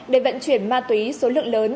để vận chuyển ma túy số lượng lớn